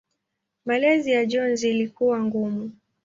Malezi ya Jones ilikuwa ngumu.